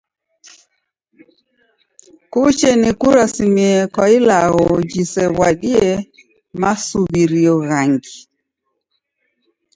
Kuche nikurasimie kwa ilagho jisew'adie masuw'irio ghangi?